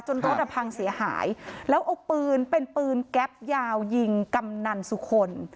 รถอ่ะพังเสียหายแล้วเอาปืนเป็นปืนแก๊ปยาวยิงกำนันสุคล